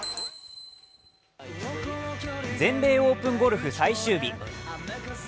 全米オープンゴルフ最終日。